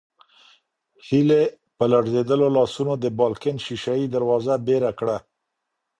هیلې په لړزېدلو لاسونو د بالکن شیشه یي دروازه بېره کړه.